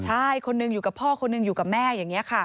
ใช่คนหนึ่งอยู่กับพ่อคนหนึ่งอยู่กับแม่อย่างนี้ค่ะ